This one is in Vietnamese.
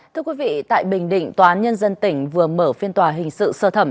thưa quý vị tại bình định tòa án nhân dân tỉnh vừa mở phiên tòa hình sự sơ thẩm